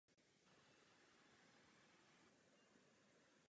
Marge uvidí Homera a je z toho zklamaná.